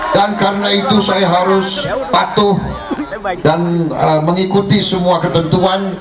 dan karena itu saya harus patuh dan mengikuti semua ketentuan